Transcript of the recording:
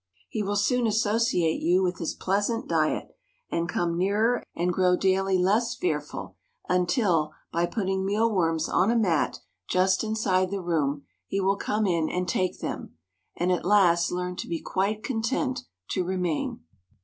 He will soon associate you with his pleasant diet, and come nearer, and grow daily less fearful, until, by putting mealworms on a mat just inside the room, he will come in and take them, and at last learn to be quite content to remain.